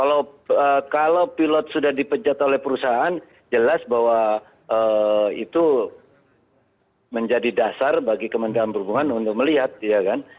kalau pilot sudah dipecat oleh perusahaan jelas bahwa itu menjadi dasar bagi kementerian perhubungan untuk melihat ya kan